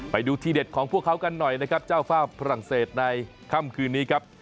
ไปดูที่เด็ดของพวกเขากันหน่อยนะครับเจ้าฝ้าฝรั่งเศสในค่ำคืนนี้ครับ